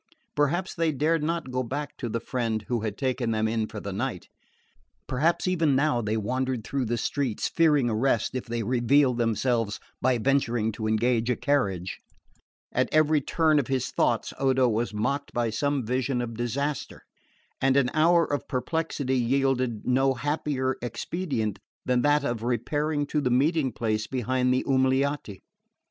Perhaps they dared not go back to the friend who had taken them in for the night. Perhaps even now they wandered through the streets, fearing arrest if they revealed themselves by venturing to engage a carriage, at every turn of his thoughts Odo was mocked by some vision of disaster; and an hour of perplexity yielded no happier expedient than that of repairing to the meeting place behind the Umiliati.